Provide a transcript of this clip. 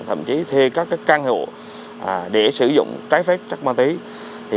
thậm chí thuê các căn hộ để sử dụng trái phép chất ma túy